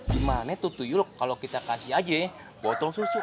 gimana tuh tuyul kalau kita kasih aja ya botol susu